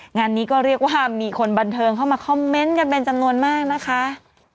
งานนี้ก็เรียกว่ามีคนบันเทิงเข้ามาคอมเมนต์กันเป็นจำนวนมากนะคะ